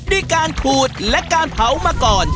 ด้วยการขูดและการเผามาก่อน